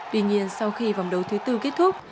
tuy nhiên sau khi vòng đấu thứ tư kết thúc